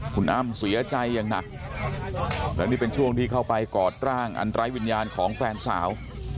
คุณอ้ำเสียใจอย่างหนักแล้วนี่เป็นช่วงที่เข้าไปกอดร่างอันไร้วิญญาณของแฟนสาว